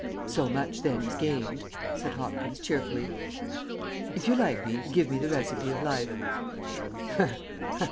"So much, then, is gained," said Hopkins, cheerfully. "If you like me, give me the recipe of life."